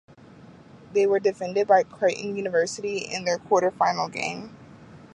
They were defeated by Creighton University in their quarterfinal game.